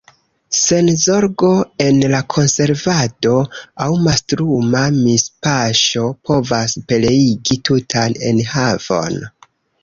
Senzorgo en la konservado aŭ mastruma mispaŝo povas pereigi tutan enhavon.